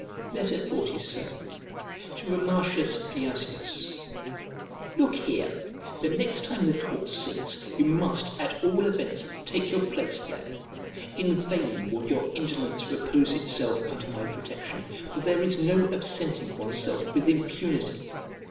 XLVII To ROMATIUS FIASIUS Look here! The next time the court sits, you must, at all events, take your place there. In vain would your indolence repose itself under my protection, for there is no absenting oneself with impunity.